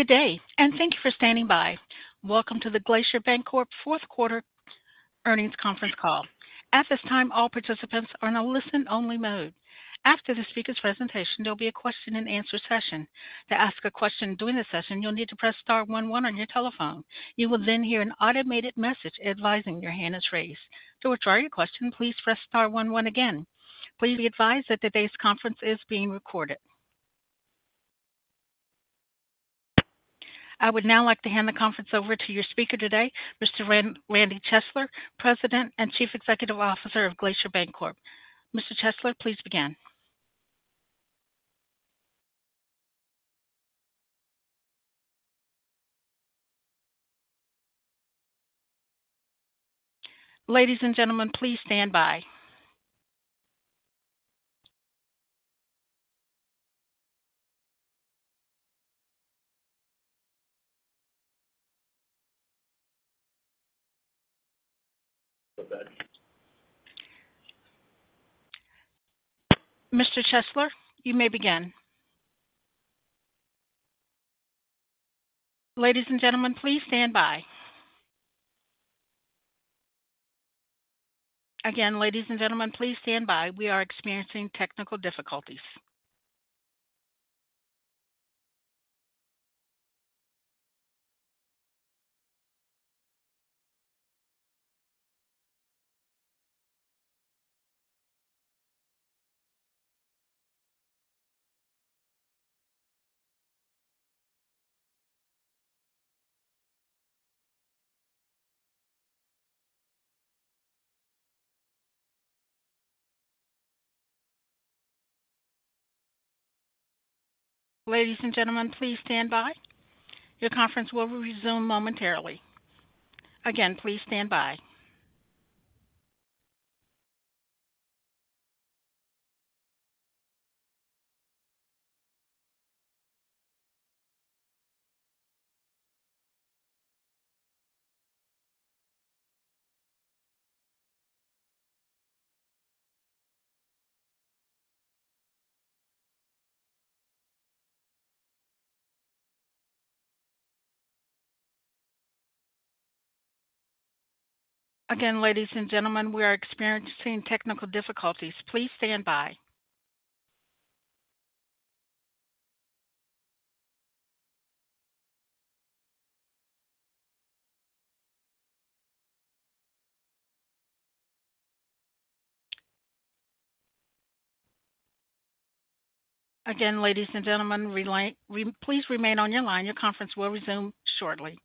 Good day, and thank you for standing by. Welcome to the Glacier Bancorp fourth quarter earnings conference call. At this time, all participants are in a listen-only mode. After the speaker's presentation, there'll be a question-and-answer session. To ask a question during the session, you'll need to press star one one on your telephone. You will then hear an automated message advising your hand is raised. To withdraw your question, please press star one one again. Please be advised that today's conference is being recorded. I would now like to hand the conference over to your speaker today, Mr. Randy Chesler, President and Chief Executive Officer of Glacier Bancorp. Mr. Chesler, please begin. Ladies and gentlemen, please stand by. Mr. Chesler, you may begin. Ladies and gentlemen, please stand by. Again, ladies and gentlemen, please stand by. We are experiencing technical difficulties. Ladies and gentlemen, please stand by. Your conference will resume momentarily. Again, please stand by. Again, ladies and gentlemen, we are experiencing technical difficulties. Please stand by. Again, ladies and gentlemen, please remain on your line. Your conference will resume shortly.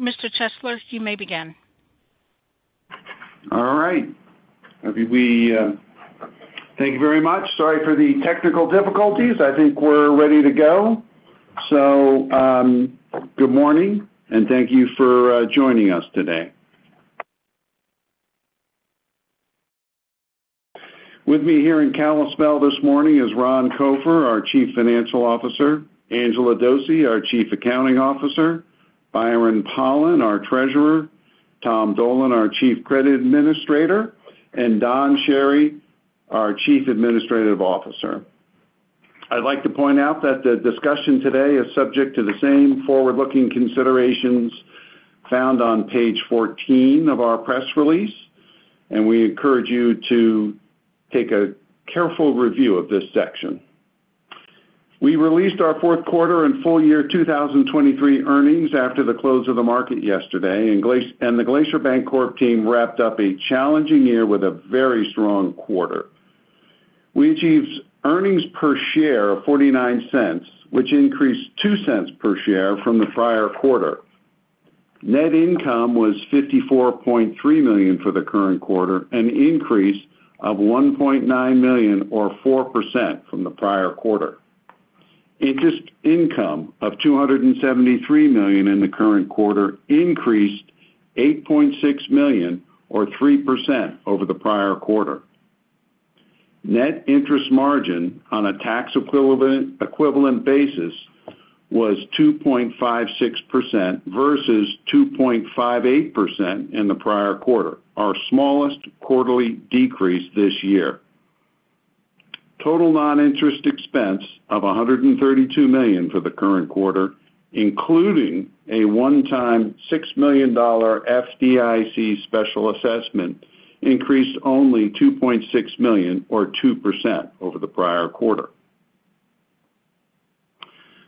Mr. Chesler, you may begin. All right. We... Thank you very much. Sorry for the technical difficulties. I think we're ready to go. So, good morning, and thank you for joining us today. With me here in Kalispell this morning is Ron Copher, our Chief Financial Officer, Angela Dossey, our Chief Accounting Officer, Byron Pollan, our Treasurer, Tom Dolan, our Chief Credit Administrator, and Don Chery, our Chief Administrative Officer. I'd like to point out that the discussion today is subject to the same forward-looking considerations found on page 14 of our press release, and we encourage you to take a careful review of this section. We released our fourth quarter and full year 2023 earnings after the close of the market yesterday, and the Glacier Bancorp team wrapped up a challenging year with a very strong quarter. We achieved earnings per share of $0.49, which increased $0.02 per share from the prior quarter. Net income was $54.3 million for the current quarter, an increase of $1.9 million, or 4% from the prior quarter. Interest income of $273 million in the current quarter increased $8.6 million, or 3% over the prior quarter. Net interest margin on a tax equivalent, equivalent basis was 2.56% versus 2.58% in the prior quarter, our smallest quarterly decrease this year. Total non-interest expense of $132 million for the current quarter, including a one-time $6 million FDIC special assessment, increased only $2.6 million, or 2% over the prior quarter.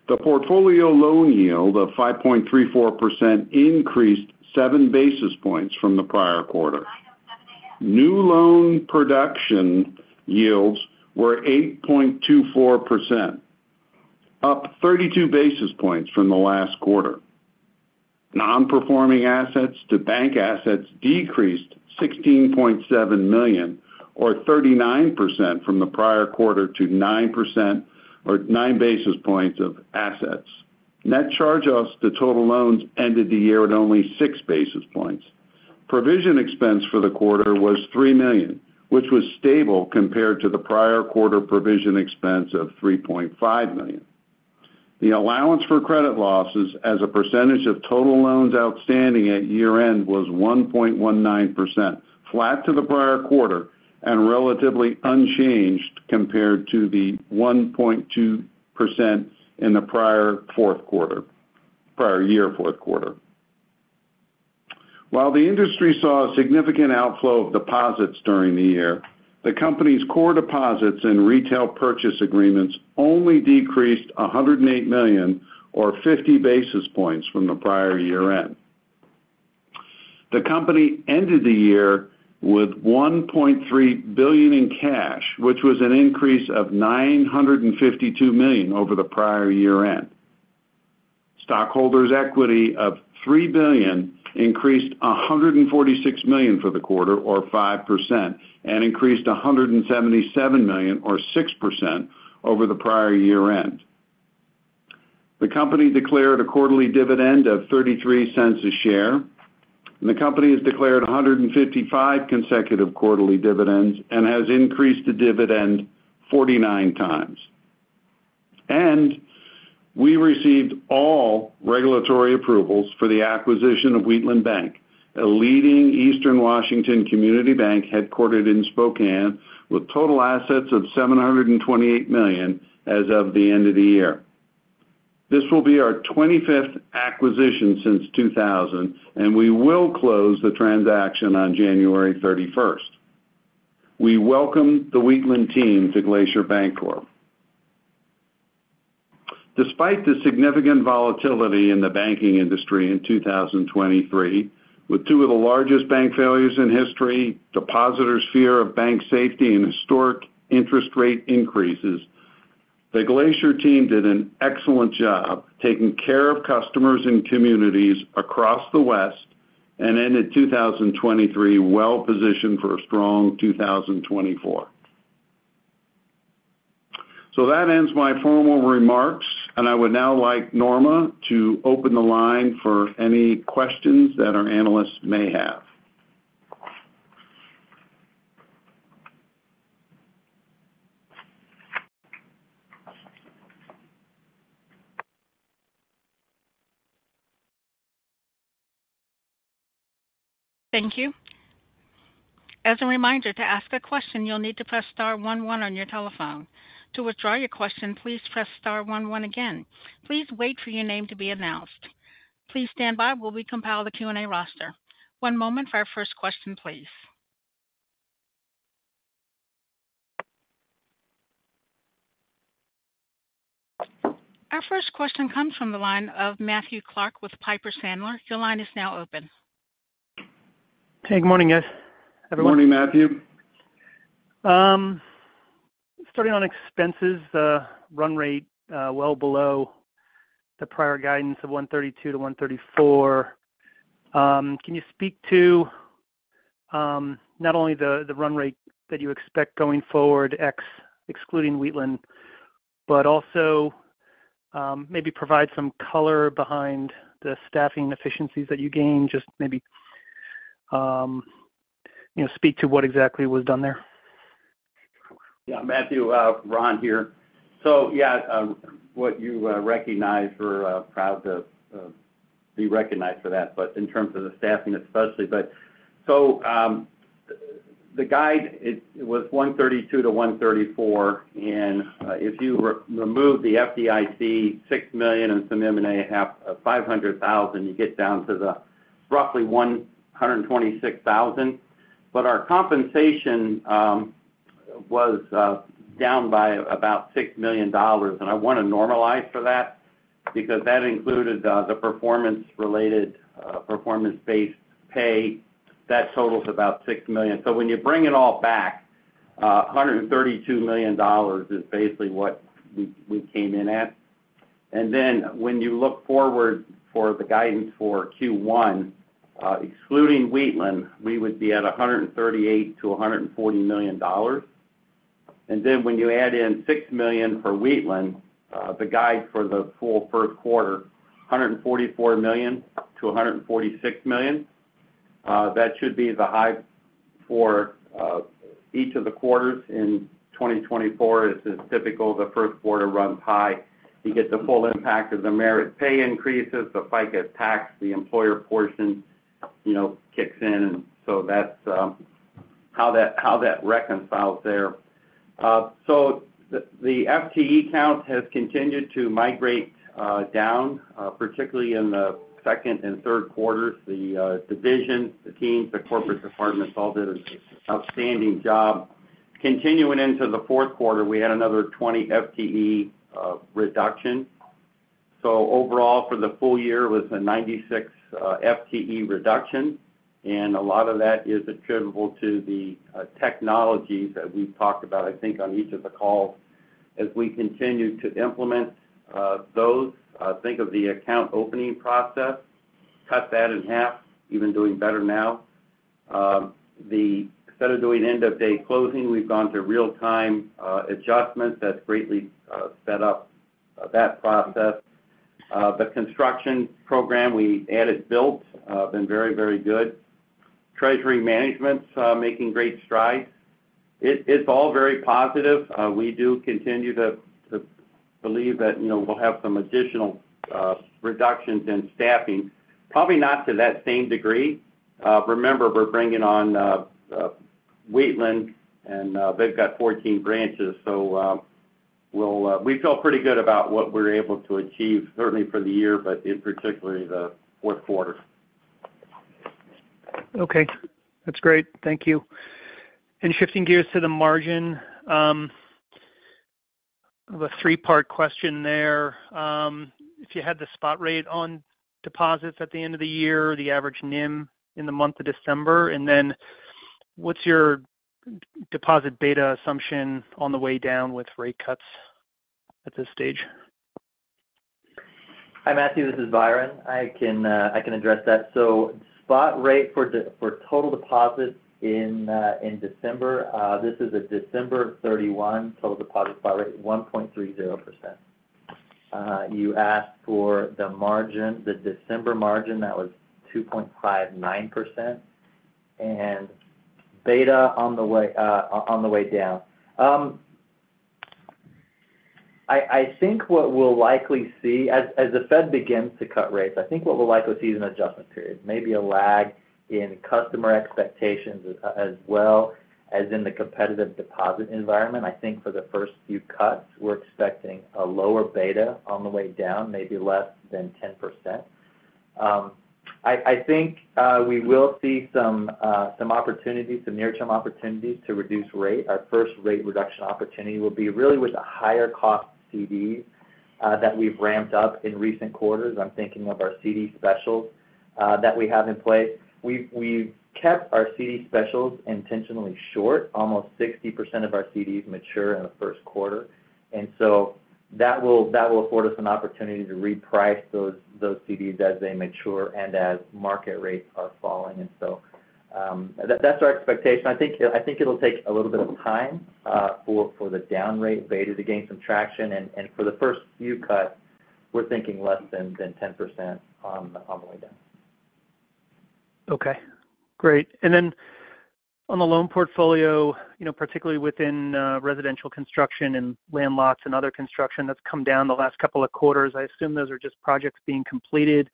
The portfolio loan yield of 5.34% increased 7 basis points from the prior quarter. New loan production yields were 8.24%, up 32 basis points from the last quarter. Non-performing assets to bank assets decreased $16.7 million, or 39% from the prior quarter to 9% or 9 basis points of assets. Net charge-offs to total loans ended the year at only 6 basis points. Provision expense for the quarter was $3 million, which was stable compared to the prior quarter provision expense of $3.5 million. The allowance for credit losses as a percentage of total loans outstanding at year-end was 1.19%, flat to the prior quarter and relatively unchanged compared to the 1.2% in the prior fourth quarter, prior year fourth quarter. While the industry saw a significant outflow of deposits during the year, the company's core deposits and retail repurchase agreements only decreased $108 million, or 50 basis points from the prior year-end. The company ended the year with $1.3 billion in cash, which was an increase of $952 million over the prior year-end. Stockholders' equity of $3 billion increased $146 million for the quarter, or 5%, and increased $177 million or 6% over the prior year-end. The company declared a quarterly dividend of $0.33 a share, and the company has declared 155 consecutive quarterly dividends and has increased the dividend 49 times. We received all regulatory approvals for the acquisition of Wheatland Bank, a leading Eastern Washington community bank headquartered in Spokane, with total assets of $728 million as of the end of the year. This will be our 25th acquisition since 2000, and we will close the transaction on January 31st. We welcome the Wheatland team to Glacier Bancorp. Despite the significant volatility in the banking industry in 2023, with two of the largest bank failures in history, depositors' fear of bank safety and historic interest rate increases, the Glacier team did an excellent job taking care of customers and communities across the West and ended 2023 well positioned for a strong 2024. That ends my formal remarks, and I would now like Norma to open the line for any questions that our analysts may have. Thank you. As a reminder, to ask a question, you'll need to press star one, one on your telephone. To withdraw your question, please press star one, one again. Please wait for your name to be announced. Please stand by while we compile the Q&A roster. One moment for our first question, please. Our first question comes from the line of Matthew Clark with Piper Sandler. Your line is now open. Hey, good morning, guys, everyone. Good morning, Matthew. Starting on expenses, the run rate, well below the prior guidance of $132-$134. Can you speak to not only the run rate that you expect going forward, excluding Wheatland, but also, maybe provide some color behind the staffing efficiencies that you gained, just maybe, you know, speak to what exactly was done there? Yeah, Matthew, Ron here. So, yeah, what you recognized, we're proud to be recognized for that, but in terms of the staffing especially. But so, the guidance was $132 million-$134 million and if you remove the FDIC $6 million and some M&A have $500,000, you get down to the roughly $126,000. But our compensation was down by about $6 million, and I want to normalize for that because that included the performance-related performance-based pay. That totals about $6 million. So when you bring it all back, $132 million is basically what we came in at. And then when you look forward for the guidance for Q1, excluding Wheatland, we would be at $138 million-$140 million. And then when you add in $6 million for Wheatland, the guide for the full first quarter, $144 million-$146 million, that should be the high for each of the quarters in 2024. As is typical, the first quarter runs high. You get the full impact of the merit pay increases, the FICA tax, the employer portion, you know, kicks in. So that's how that reconciles there. So the FTE count has continued to migrate down, particularly in the second and third quarters. The divisions, the teams, the corporate departments all did an outstanding job. Continuing into the fourth quarter, we had another 20 FTE reduction. So overall, for the full year, it was a 96 FTE reduction, and a lot of that is attributable to the technologies that we've talked about, I think, on each of the calls. As we continue to implement those, think of the account opening process, cut that in half, even doing better now. Instead of doing end-of-day closing, we've gone to real-time adjustments. That's greatly sped up that process. The construction program, we added Built, been very, very good. Treasury management's making great strides. It's all very positive. We do continue to believe that, you know, we'll have some additional reductions in staffing, probably not to that same degree. Remember, we're bringing on Wheatland, and they've got 14 branches. So, we'll, we feel pretty good about what we're able to achieve, certainly for the year, but in particularly the fourth quarter. Okay, that's great. Thank you. And shifting gears to the margin, I have a three-part question there. If you had the spot rate on deposits at the end of the year, the average NIM in the month of December, and then what's your deposit beta assumption on the way down with rate cuts at this stage? Hi, Matthew, this is Byron. I can, I can address that. So spot rate for total deposits in December, this is a December 31 total deposit spot rate, 1.30%. You asked for the margin, the December margin, that was 2.59%. And beta on the way down. I think what we'll likely see as the Fed begins to cut rates, I think what we'll likely see is an adjustment period, maybe a lag in customer expectations as well as in the competitive deposit environment. I think for the first few cuts, we're expecting a lower beta on the way down, maybe less than 10%. I think we will see some opportunities, some near-term opportunities to reduce rate. Our first rate reduction opportunity will be really with the higher cost CDs that we've ramped up in recent quarters. I'm thinking of our CD specials that we have in place. We've kept our CD specials intentionally short. Almost 60% of our CDs mature in the first quarter, and so that will afford us an opportunity to reprice those CDs as they mature and as market rates are falling. And so, that's our expectation. I think it'll take a little bit of time for the down rate beta to gain some traction. And for the first few cuts, we're thinking less than 10% on the way down. Okay, great. And then on the loan portfolio, you know, particularly within residential construction and land lots and other construction, that's come down the last couple of quarters. I assume those are just projects being completed,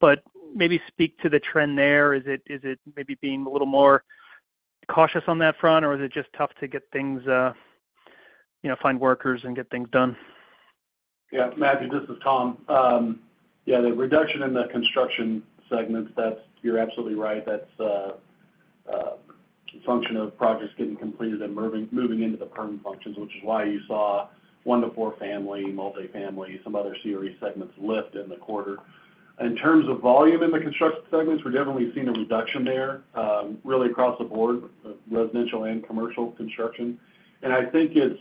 but maybe speak to the trend there. Is it maybe being a little more cautious on that front, or is it just tough to get things, you know, find workers and get things done? Yeah, Matthew, this is Tom. Yeah, the reduction in the construction segments, that's—you're absolutely right. That's a function of projects getting completed and moving into the perm functions, which is why you saw one- to four-family, multifamily, some other CRE segments lift in the quarter. In terms of volume in the construction segments, we're definitely seeing a reduction there, really across the board, residential and commercial construction. And I think it's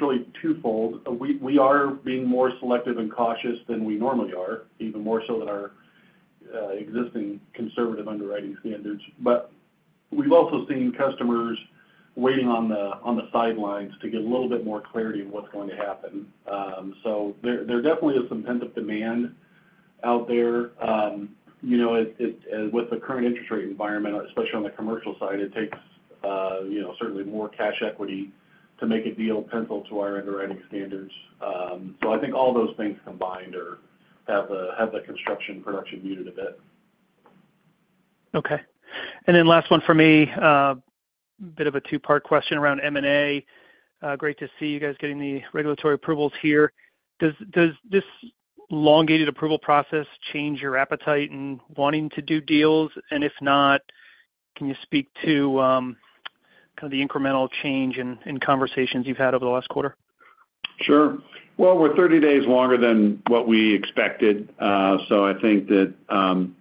really twofold. We are being more selective and cautious than we normally are, even more so than our existing conservative underwriting standards. But we've also seen customers waiting on the sidelines to get a little bit more clarity on what's going to happen. So there definitely is some pent-up demand out there. You know, with the current interest rate environment, especially on the commercial side, it takes, you know, certainly more cash equity to make a deal pencil to our underwriting standards. So I think all those things combined have the construction production muted a bit. Okay. And then last one for me. A bit of a two-part question around M&A. Great to see you guys getting the regulatory approvals here. Does this elongated approval process change your appetite in wanting to do deals? And if not, can you speak to kind of the incremental change in conversations you've had over the last quarter? Sure. Well, we're 30 days longer than what we expected. So I think that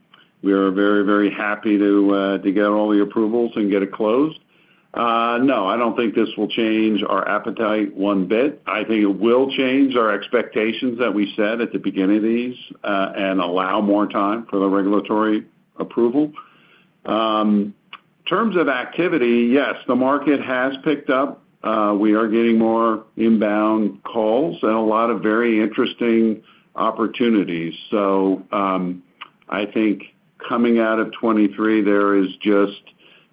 we are very, very happy to get all the approvals and get it closed. No, I don't think this will change our appetite one bit. I think it will change our expectations that we set at the beginning of these and allow more time for the regulatory approval. In terms of activity, yes, the market has picked up. We are getting more inbound calls and a lot of very interesting opportunities. So, I think coming out of 2023, there is just,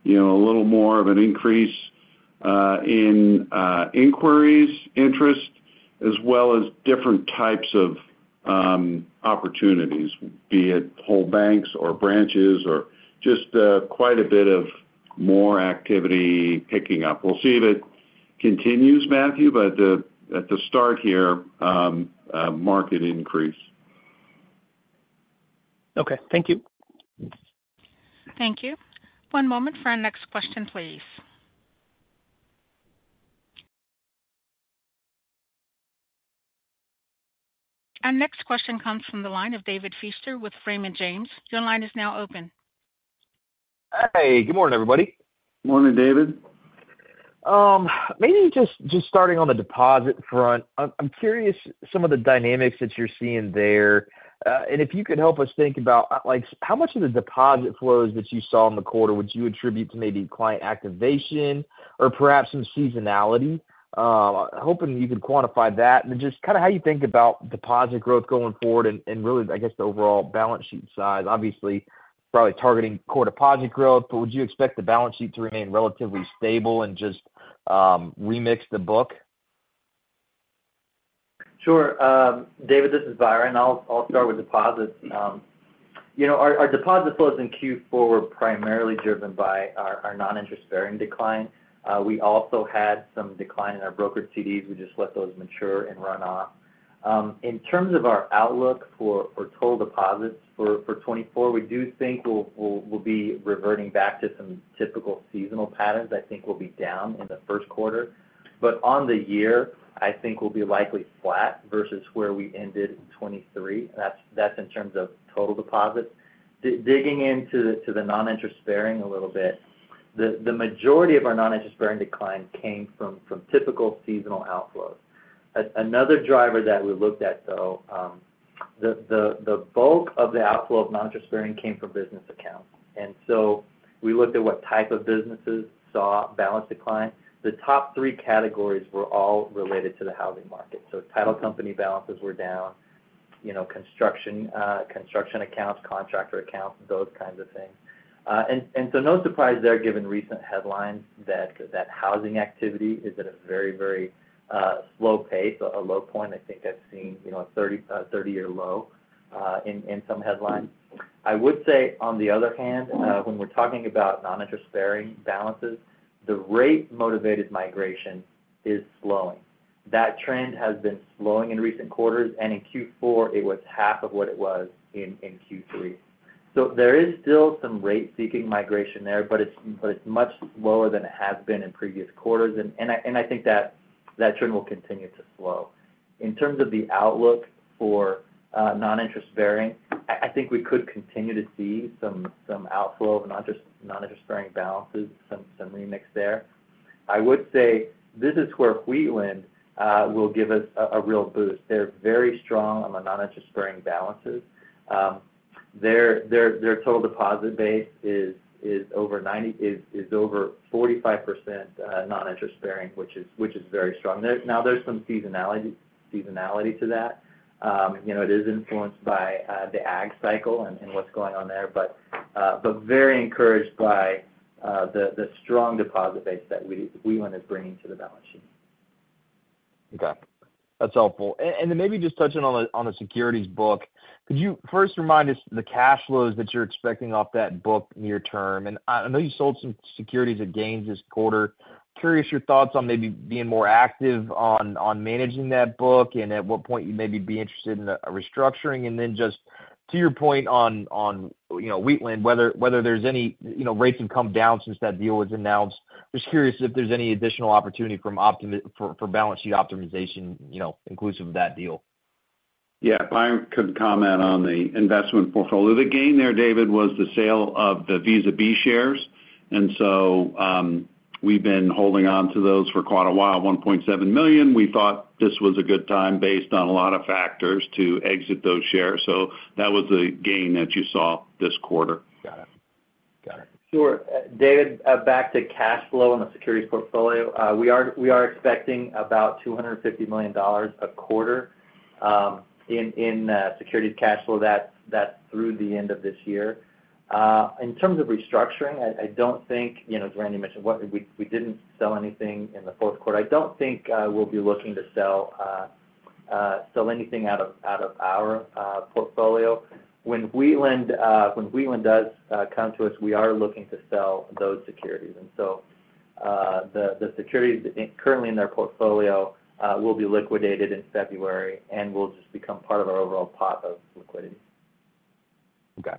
you know, a little more of an increase in inquiries interest, as well as different types of opportunities, be it whole banks or branches or just quite a bit of more activity picking up. We'll see if it continues, Matthew, but at the start here, a market increase. Okay. Thank you. Thank you. One moment for our next question, please. Our next question comes from the line of David Feaster with Raymond James. Your line is now open. Hey, good morning, everybody. Morning, David. Maybe just starting on the deposit front. I'm curious some of the dynamics that you're seeing there. And if you could help us think about, like, how much of the deposit flows that you saw in the quarter, would you attribute to maybe client activation or perhaps some seasonality? Hoping you could quantify that. And then just kind of how you think about deposit growth going forward and really, I guess, the overall balance sheet size. Obviously, probably targeting core deposit growth, but would you expect the balance sheet to remain relatively stable and just remix the book? Sure. David, this is Byron. I'll, I'll start with deposits. You know, our, our deposit flows in Q4 were primarily driven by our, our non-interest bearing decline. We also had some decline in our brokered CDs. We just let those mature and run off. In terms of our outlook for total deposits for, for 2024, we do think we'll be reverting back to some typical seasonal patterns. I think we'll be down in the first quarter. But on the year, I think we'll be likely flat versus where we ended in 2023. That's, that's in terms of total deposits. Digging into the non-interest bearing a little bit, the majority of our non-interest bearing decline came from typical seasonal outflows. Another driver that we looked at, though, the bulk of the outflow of non-interest bearing came from business accounts. So we looked at what type of businesses saw balance decline. The top three categories were all related to the housing market. So title company balances were down, you know, construction, construction accounts, contractor accounts, those kinds of things. And so no surprise there, given recent headlines that housing activity is at a very, very slow pace, a low point. I think I've seen, you know, a 30-year low in some headlines. I would say, on the other hand, when we're talking about non-interest bearing balances, the rate-motivated migration is slowing. That trend has been slowing in recent quarters, and in Q4, it was half of what it was in Q3. So there is still some rate-seeking migration there, but it's much lower than it has been in previous quarters. And I think that trend will continue to slow. In terms of the outlook for non-interest bearing, I think we could continue to see some outflow of non-interest non-interest-bearing balances, some remix there. I would say this is where Wheatland will give us a real boost. They're very strong on the non-interest-bearing balances. Their total deposit base is over 45% non-interest bearing, which is very strong. There's now some seasonality to that. You know, it is influenced by the ag cycle and what's going on there. But very encouraged by the strong deposit base that Wheatland is bringing to the balance sheet. Okay. That's helpful. And then maybe just touching on the securities book. Could you first remind us the cash flows that you're expecting off that book near term? And I know you sold some securities at gains this quarter. Curious your thoughts on maybe being more active on managing that book and at what point you maybe be interested in a restructuring. And then just to your point on, you know, Wheatland, whether there's any, you know, rates have come down since that deal was announced. Just curious if there's any additional opportunity from optimization for balance sheet optimization, you know, inclusive of that deal. Yeah. I could comment on the investment portfolio. The gain there, David, was the sale of the Visa B shares. And so, we've been holding on to those for quite a while, 1.7 million. We thought this was a good time based on a lot of factors, to exit those shares. So that was the gain that you saw this quarter. Got it. Got it. Sure. David, back to cash flow on the securities portfolio. We are expecting about $250 million a quarter in securities cash flow. That's through the end of this year. In terms of restructuring, I don't think, you know, as Randy mentioned, we didn't sell anything in the fourth quarter. I don't think we'll be looking to sell anything out of our portfolio. When Wheatland comes to us, we are looking to sell those securities. And so, the securities currently in their portfolio will be liquidated in February and will just become part of our overall pot of liquidity. Okay,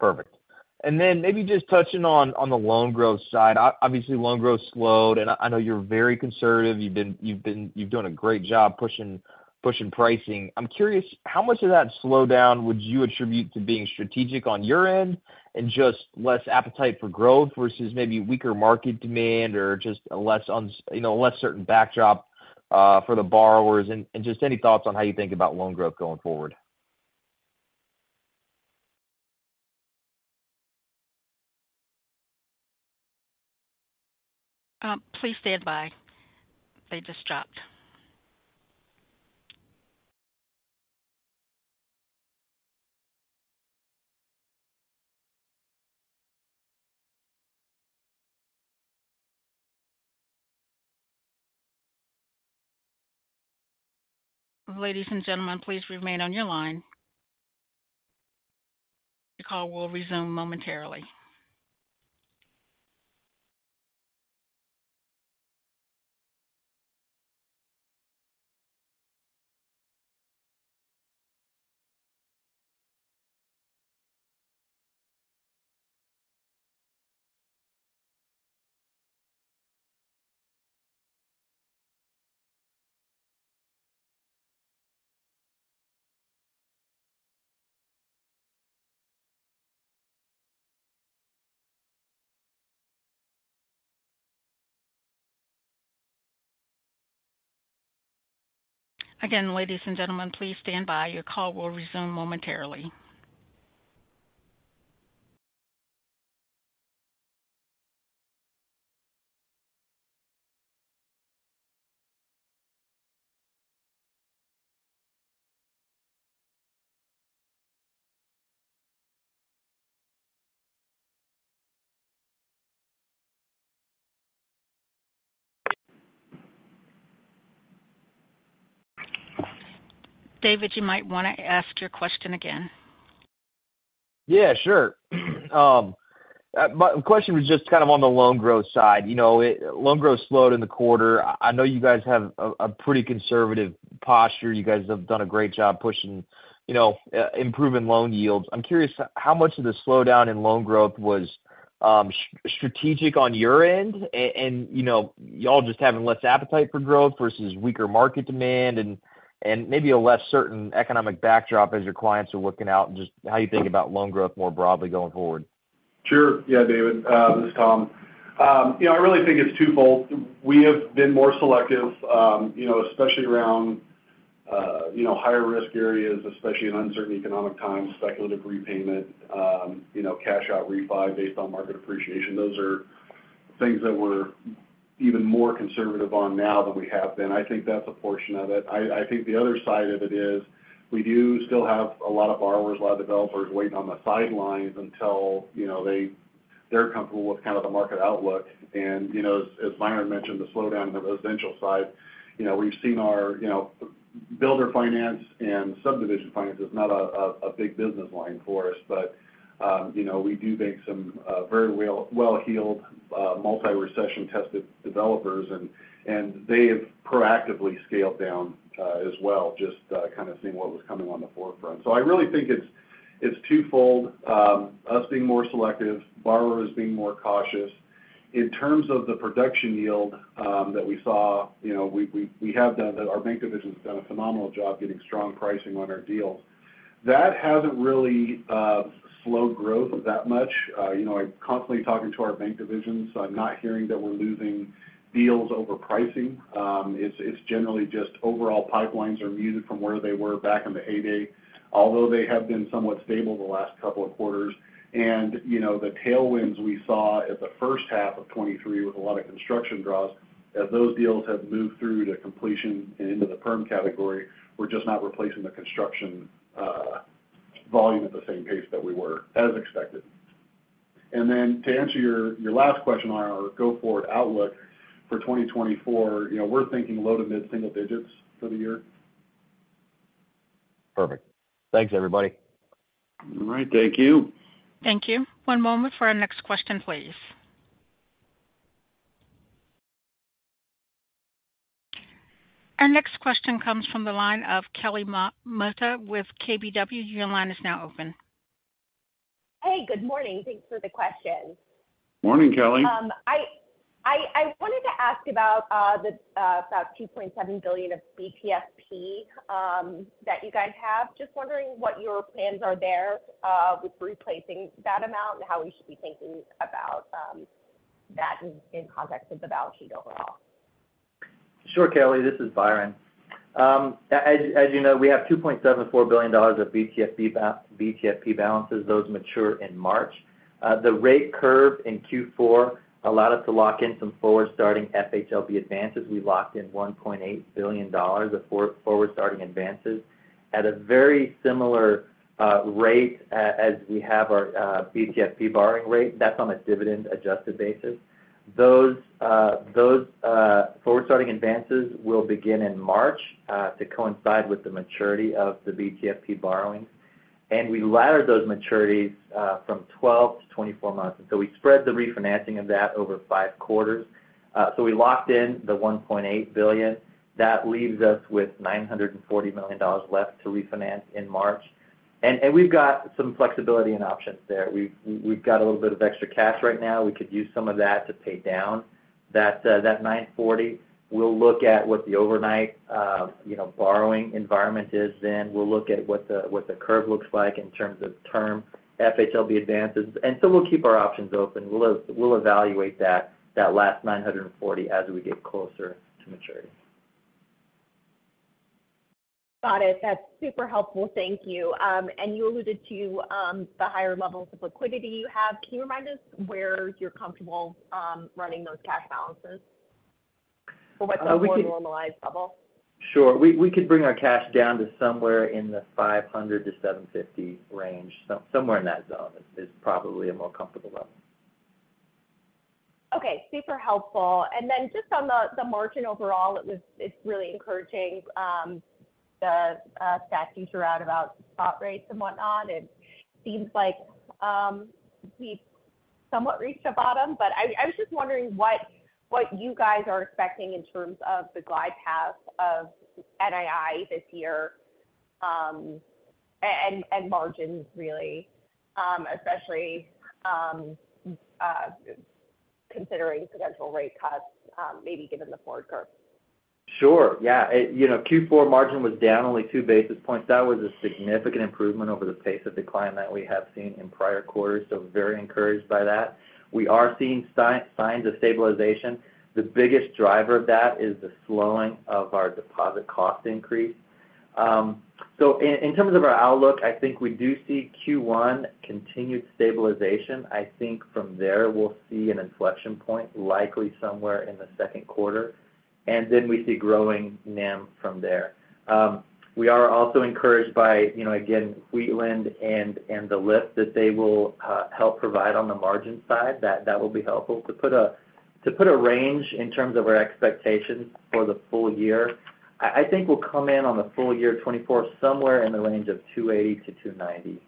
perfect. And then maybe just touching on the loan growth side. Obviously, loan growth slowed, and I know you're very conservative. You've been, you've been. You've done a great job pushing, pushing pricing. I'm curious, how much of that slowdown would you attribute to being strategic on your end and just less appetite for growth versus maybe weaker market demand or just a less certain backdrop, you know, for the borrowers? And just any thoughts on how you think about loan growth going forward? Please stand by. They just dropped. Ladies and gentlemen, please remain on your line. The call will resume momentarily. Again, ladies and gentlemen, please stand by. Your call will resume momentarily. David, you might want to ask your question again. Yeah, sure. My question was just kind of on the loan growth side. You know, loan growth slowed in the quarter. I know you guys have a pretty conservative posture. You guys have done a great job pushing, you know, improving loan yields. I'm curious, how much of the slowdown in loan growth was strategic on your end? And, you know, y'all just having less appetite for growth versus weaker market demand and maybe a less certain economic backdrop as your clients are looking out, and just how you think about loan growth more broadly going forward. Sure. Yeah, David, this is Tom. You know, I really think it's twofold. We have been more selective, you know, especially around, you know, higher risk areas, especially in uncertain economic times, speculative repayment, you know, cash out refi based on market appreciation. Those are things that we're even more conservative on now than we have been. I think that's a portion of it. I think the other side of it is, we do still have a lot of borrowers, a lot of developers waiting on the sidelines until, you know, they're comfortable with kind of the market outlook. And, you know as Byron mentioned, the slowdown on the residential side, you know, we've seen our, you know, builder finance and subdivision finance is not a big business line for us. But, you know, we do make some very well-heeled multi-recession tested developers, and they have proactively scaled down as well, just kind of seeing what was coming on the forefront. So I really think it's twofold. Us being more selective, borrowers being more cautious. In terms of the production yield that we saw, you know, we have done - our bank division has done a phenomenal job getting strong pricing on our deals. That hasn't really slowed growth that much. You know, I'm constantly talking to our bank division, so I'm not hearing that we're losing deals over pricing. It's generally just overall pipelines are muted from where they were back in the heyday, although they have been somewhat stable the last couple of quarters. You know, the tailwinds we saw at the first half of 2023, with a lot of construction draws, as those deals have moved through to completion and into the perm category, we're just not replacing the construction volume at the same pace that we were, as expected. Then to answer your last question on our go-forward outlook for 2024, you know, we're thinking low to mid single digits for the year. Perfect. Thanks, everybody. All right, thank you. Thank you. One moment for our next question, please. Our next question comes from the line of Kelly Motta with KBW. Your line is now open. Hey, good morning. Thanks for the questions. Morning, Kelly. I wanted to ask about $2.7 billion of BTFP that you guys have. Just wondering what your plans are there with replacing that amount and how we should be thinking about that in context of the balance sheet overall? Sure, Kelly, this is Byron. As you know, we have $2.74 billion of BTFP balances. Those mature in March. The rate curve in Q4 allowed us to lock in some forward-starting FHLB advances. We locked in $1.8 billion of forward-starting advances at a very similar rate as we have our BTFP borrowing rate. That's on a dividend-adjusted basis. Those forward-starting advances will begin in March to coincide with the maturity of the BTFP borrowings, and we laddered those maturities from 12-24 months. And so we spread the refinancing of that over five quarters. So we locked in the $1.8 billion. That leaves us with $940 million left to refinance in March. And we've got some flexibility and options there. We've got a little bit of extra cash right now. We could use some of that to pay down that $940 million. We'll look at what the overnight, you know, borrowing environment is then. We'll look at what the curve looks like in terms of term FHLB advances. And so we'll keep our options open. We'll evaluate that last $940 million as we get closer to maturity. Got it. That's super helpful. Thank you. You alluded to the higher levels of liquidity you have. Can you remind us where you're comfortable running those cash balances? Or what's a more normalized level? Sure. We could bring our cash down to somewhere in the $500 million-$750 million range. So somewhere in that zone is probably a more comfortable level. Okay, super helpful. And then just on the margin overall, it's really encouraging, the stats you threw out about spot rates and whatnot. It seems like we've somewhat reached the bottom, but I was just wondering what you guys are expecting in terms of the glide path of NII this year, and margins really, especially considering potential rate cuts, maybe given the forward curve. Sure. Yeah, you know, Q4 margin was down only two basis points. That was a significant improvement over the pace of decline that we have seen in prior quarters, so very encouraged by that. We are seeing signs of stabilization. The biggest driver of that is the slowing of our deposit cost increase. So in terms of our outlook, I think we do see Q1 continued stabilization. I think from there, we'll see an inflection point, likely somewhere in the second quarter, and then we see growing NIM from there. We are also encouraged by, you know, again, Wheatland and the lift that they will help provide on the margin side. That will be helpful. To put a range in terms of our expectations for the full year, I think we'll come in on the full year 2024, somewhere in the range of 280-290.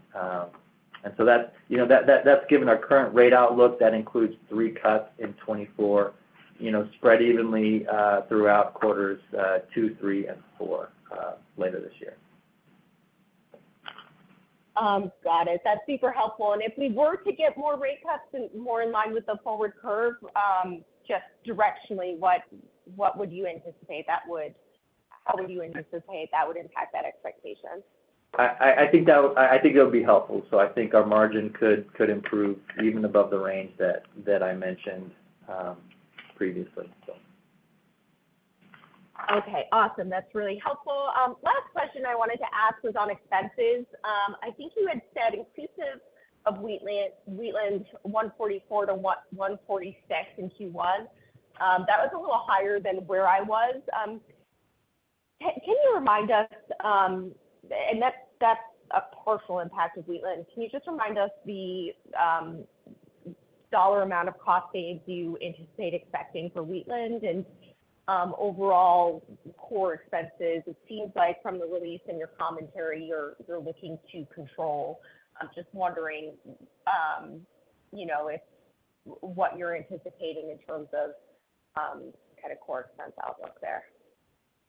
And so that's, you know, that's given our current rate outlook, that includes three cuts in 2024, you know, spread evenly throughout quarters two, three, and four later this year. Got it. That's super helpful. And if we were to get more rate cuts and more in line with the forward curve, just directionally, what would you anticipate that would—how would you anticipate that would impact that expectation? I think it would be helpful. So I think our margin could improve even above the range that I mentioned previously, so. Okay, awesome. That's really helpful. Last question I wanted to ask was on expenses. I think you had said increases of Wheatland $144 million-$146 million in Q1. That was a little higher than where I was. Can you remind us, and that's a partial impact of Wheatland. Can you just remind us the dollar amount of cost saves you anticipate expecting for Wheatland and overall core expenses? It seems like from the release in your commentary, you're looking to control. I'm just wondering, you know, if what you're anticipating in terms of kind of core expense outlook there.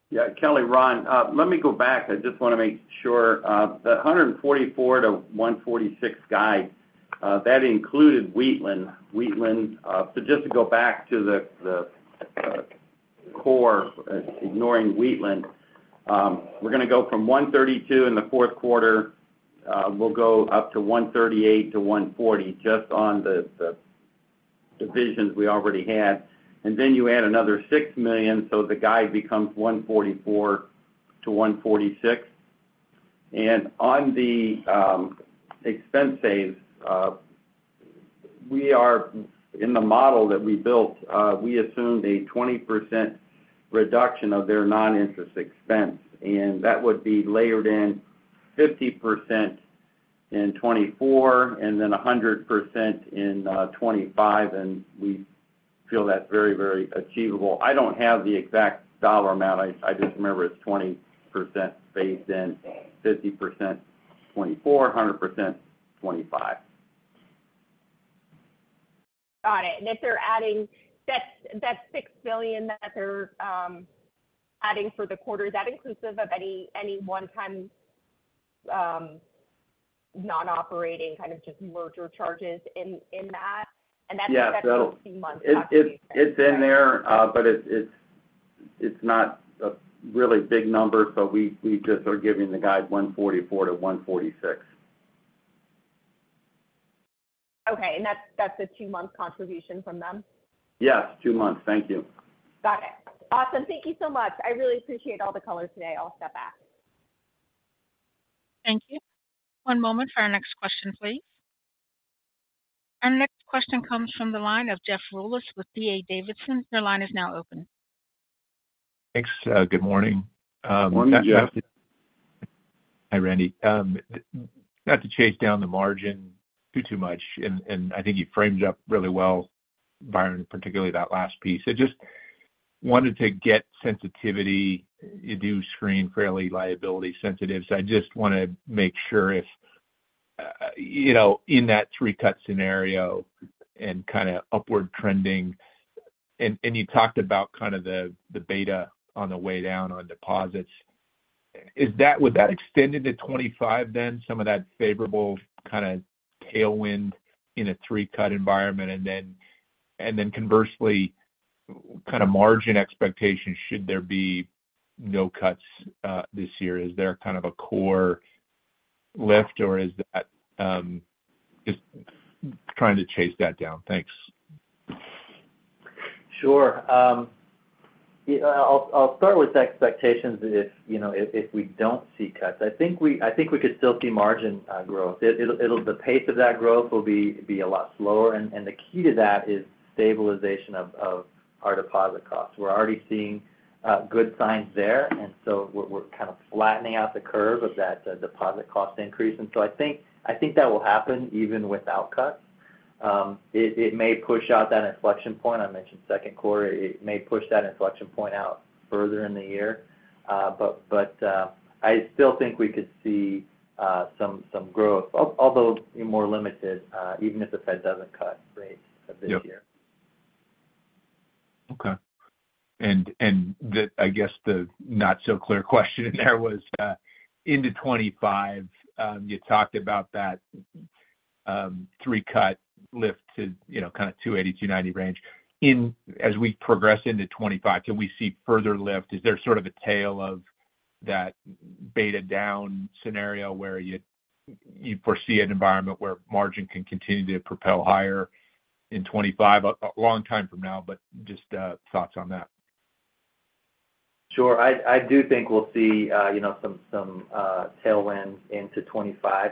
Yeah. Kelly, Ron, let me go back. I just want to make sure, the $144 million-$146 million guide, that included Wheatland. So just to go back to the core, ignoring Wheatland, we're going to go from $132 million in the fourth quarter, we'll go up to $138 million-$140 million, just on the divisions we already had. And then you add another $6 million, so the guide becomes $144 million-$146 million. And on the expense saves, we are in the model that we built, we assumed a 20% reduction of their non-interest expense, and that would be layered in 50% in 2024 and then 100% in 2025, and we feel that's very, very achievable. I don't have the exact dollar amount. I just remember it's 20% phased in, 50% 2024, 100% 2025. Got it. And if they're adding, that's, that's $6 billion that they're adding for the quarter. Is that inclusive of any, any one-time, non-operating, kind of just merger charges in, in that? Yeah. That's, that's two months. It's in there, but it's not a really big number, so we just are giving the guide $144 million-$146 million. Okay. And that's a two-month contribution from them? Yes, two months. Thank you. Got it. Awesome. Thank you so much. I really appreciate all the color today. I'll step back. Thank you. One moment for our next question, please. Our next question comes from the line of Jeff Rulis with D.A. Davidson. Your line is now open. Thanks. Good morning. Good morning, Jeff. Hi, Randy. Not to chase down the margin too much, and I think you framed it up really well, Byron, particularly that last piece. So wanted to get sensitivity. You do screen fairly liability sensitive, so I just want to make sure if, you know, in that three-cut scenario and kind of upward trending, and you talked about kind of the beta on the way down on deposits. Would that extend into 2025, then some of that favorable kind of tailwind in a three-cut environment? And then conversely, kind of margin expectations, should there be no cuts this year? Is there kind of a core lift or is that just trying to chase that down? Thanks. Sure. Yeah, I'll start with expectations if, you know, if we don't see cuts. I think we could still see margin growth. It'll the pace of that growth will be a lot slower, and the key to that is stabilization of our deposit costs. We're already seeing good signs there, and so we're kind of flattening out the curve of that deposit cost increase. And so I think that will happen even without cuts. It may push out that inflection point. I mentioned second quarter. It may push that inflection point out further in the year, but I still think we could see some growth, although more limited, even if the Fed doesn't cut rates this year. Yep. Okay. I guess, the not so clear question there was, into 2025, you talked about that, three-cut lift to, you know, kind of 2.80-2.90 range. As we progress into 2025, can we see further lift? Is there sort of a tail of that beta down scenario, where you foresee an environment where margin can continue to propel higher in 2025? A long time from now, but just thoughts on that. Sure. I do think we'll see, you know, some tailwinds into 2025.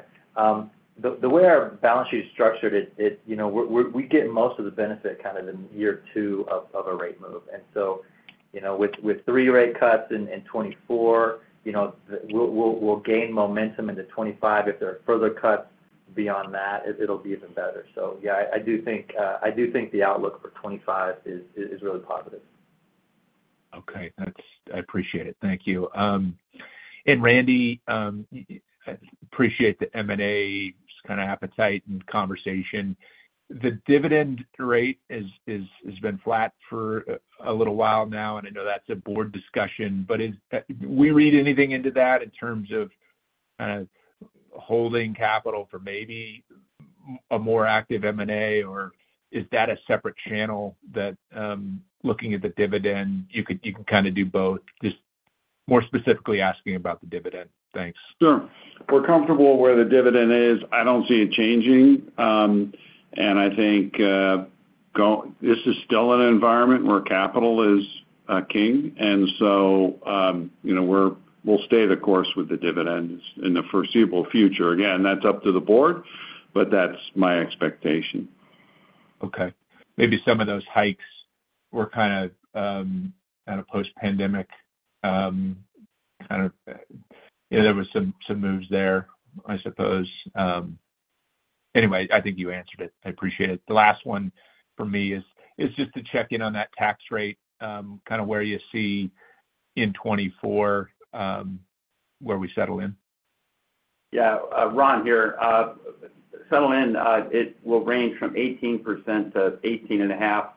The way our balance sheet is structured, you know, we get most of the benefit kind of in year 2 of a rate move. So, you know, with 3 rate cuts in 2024, you know, we'll gain momentum into 2025. If there are further cuts beyond that, it'll be even better. So yeah, I do think the outlook for 2025 is really positive. Okay. That's. I appreciate it. Thank you. And Randy, appreciate the M&A kind of appetite and conversation. The dividend rate has been flat for a little while now, and I know that's a board discussion, but do we read anything into that in terms of holding capital for maybe a more active M&A, or is that a separate channel that looking at the dividend, you could, you can kind of do both? Just more specifically asking about the dividend. Thanks. Sure. We're comfortable where the dividend is. I don't see it changing. I think this is still an environment where capital is king, and so, you know, we're, we'll stay the course with the dividends in the foreseeable future. Again, that's up to the board, but that's my expectation. Okay. Maybe some of those hikes were kind of post-pandemic. Yeah, there were some moves there, I suppose. Anyway, I think you answered it. I appreciate it. The last one for me is just to check in on that tax rate, kind of where you see in 2024, where we settle in. Yeah. Ron here. Settle in, it will range from 18%-18.5%.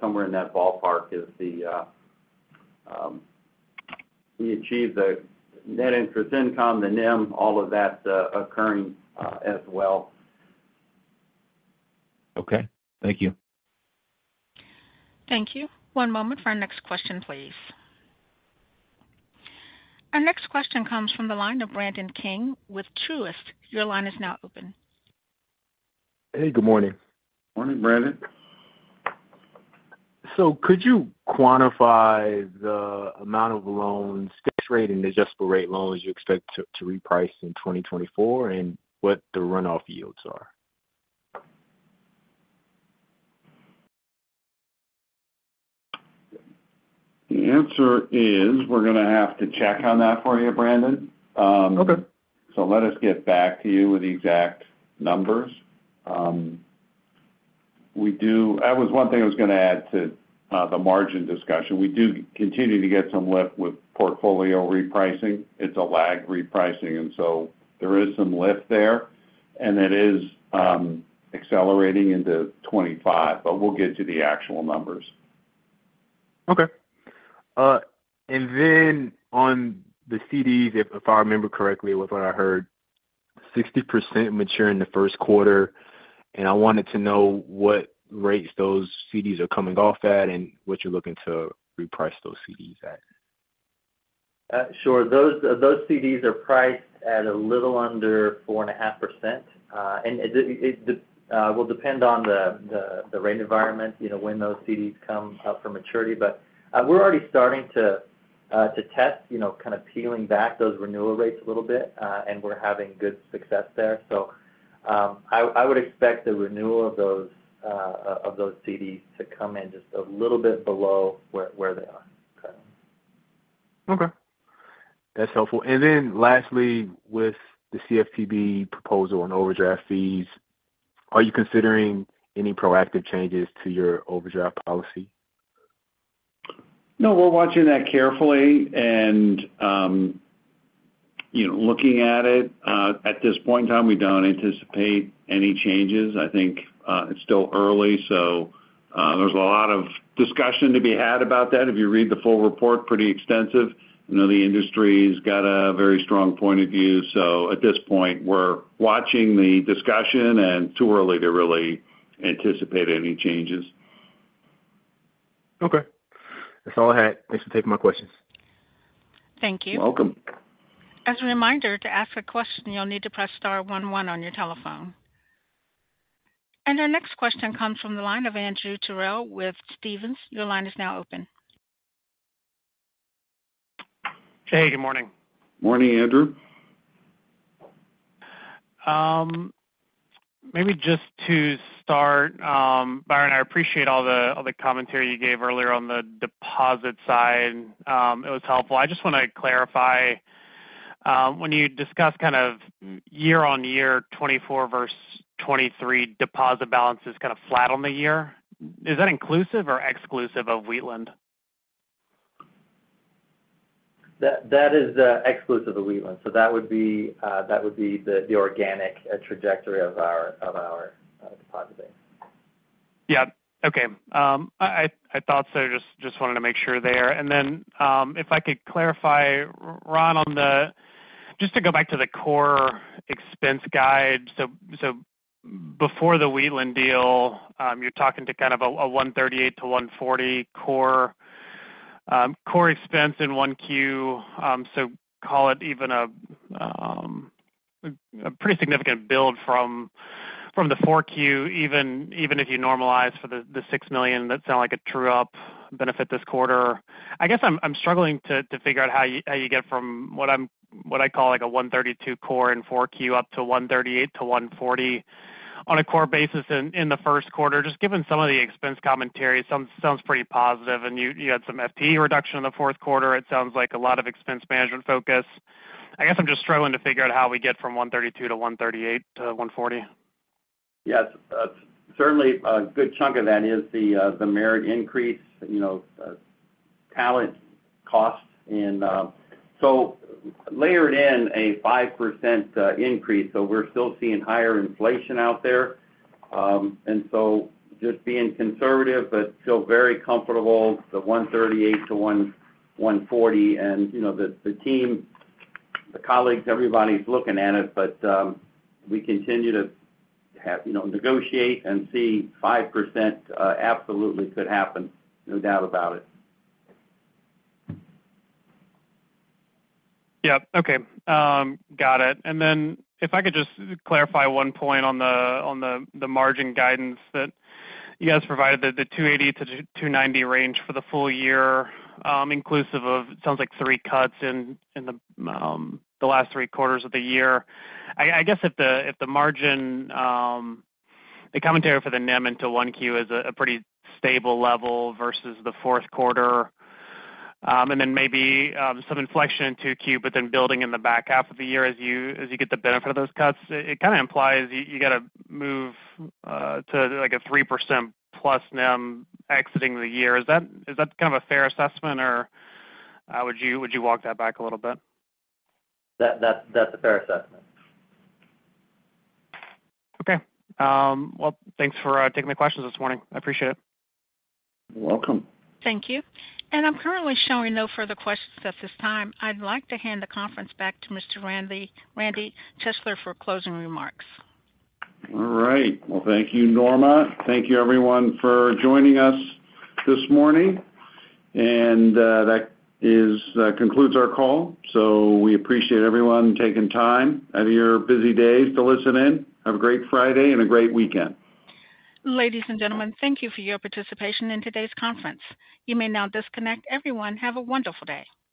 Somewhere in that ballpark is the, we achieved the net interest income, the NIM, all of that, occurring, as well. Okay, thank you. Thank you. One moment for our next question, please. Our next question comes from the line of Brandon King with Truist. Your line is now open. Hey, good morning. Morning, Brandon. Could you quantify the amount of loans, fixed rate and adjustable-rate loans you expect to reprice in 2024, and what the run off yields are? The answer is, we're going to have to check on that for you, Brandon. Okay. So let us get back to you with the exact numbers. We do. That was one thing I was going to add to the margin discussion. We do continue to get some lift with portfolio repricing. It's a lag repricing, and so there is some lift there, and it is accelerating into 2025, but we'll get to the actual numbers. Okay. And then on the CDs, if I remember correctly, with what I heard, 60% mature in the first quarter, and I wanted to know what rates those CDs are coming off at and what you're looking to reprice those CDs at? Sure. Those CDs are priced at a little under 4.5%. And it will depend on the rate environment, you know, when those CDs come up for maturity. But we're already starting to test, you know, kind of peeling back those renewal rates a little bit, and we're having good success there. So I would expect the renewal of those CDs to come in just a little bit below where they are. Okay, that's helpful. And then lastly, with the CFPB proposal on overdraft fees, are you considering any proactive changes to your overdraft policy? No, we're watching that carefully and, you know, looking at it. At this point in time, we don't anticipate any changes. I think, it's still early, so, there's a lot of discussion to be had about that. If you read the full report, pretty extensive. You know, the industry's got a very strong point of view. So at this point, we're watching the discussion and too early to really anticipate any changes. Okay. That's all I had. Thanks for taking my questions. Thank you. Welcome. As a reminder, to ask a question, you'll need to press star one one on your telephone. Our next question comes from the line of Andrew Terrell with Stephens. Your line is now open. Hey, good morning. Morning, Andrew. Maybe just to start, Byron, I appreciate all the commentary you gave earlier on the deposit side. It was helpful. I just wanna clarify, when you discuss kind of year-on-year 2024 versus 2023 deposit balances kind of flat on the year, is that inclusive or exclusive of Wheatland? That, that is exclusive of Wheatland. So that would be the organic trajectory of our deposit base. Yeah. Okay. I thought so. Just wanted to make sure there. And then, if I could clarify, Ron, on the—just to go back to the core expense guide. So, before the Wheatland deal, you're talking to kind of a $138-$140 core expense in Q1. So call it even a pretty significant build from the Q4, even if you normalize for the $6 million, that sounds like a true up benefit this quarter. I guess I'm struggling to figure out how you get from what I'm—what I call, like, a $132 core in Q4 up to $138-$140 on a core basis in the first quarter. Just given some of the expense commentary, sounds pretty positive, and you had some FTE reduction in the fourth quarter. It sounds like a lot of expense management focus. I guess I'm just struggling to figure out how we get from $132 to $138 to $140. Yes. Certainly a good chunk of that is the merit increase, you know, talent costs. And so layer it in a 5% increase. So we're still seeing higher inflation out there. And so just being conservative but still very comfortable, the $138-$140. And, you know, the team, the colleagues, everybody's looking at it, but we continue to have, you know, negotiate and see 5%, absolutely could happen, no doubt about it. Yeah. Okay. Got it. And then if I could just clarify one point on the margin guidance that you guys provided, the 2.80%-2.90% range for the full year, inclusive of, it sounds like three cuts in the last three quarters of the year. I guess if the margin commentary for the NIM into Q1 is a pretty stable level versus the fourth quarter, and then maybe some inflection in Q2, but then building in the back half of the year as you get the benefit of those cuts, it kind of implies you got to move to, like, a 3%+ NIM exiting the year. Is that, is that kind of a fair assessment, or, would you, would you walk that back a little bit? That's a fair assessment. Okay. Well, thanks for taking the questions this morning. I appreciate it. You're welcome. Thank you. I'm currently showing no further questions at this time. I'd like to hand the conference back to Mr. Randy Chesler for closing remarks. All right. Well, thank you, Norma. Thank you, everyone, for joining us this morning, and that concludes our call. So we appreciate everyone taking time out of your busy day to listen in. Have a great Friday and a great weekend. Ladies and gentlemen, thank you for your participation in today's conference. You may now disconnect. Everyone, have a wonderful day.